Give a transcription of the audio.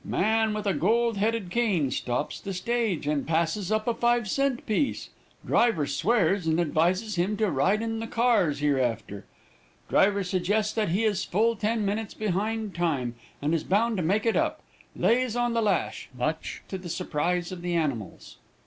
Man with a gold headed cane stops the stage, and passes up a five cent piece. Driver swears, and advises him to ride in the cars hereafter. Driver suggests that he is full ten minutes behind time, and is bound to make it up. Lays on the lash, much to the surprise of the animals.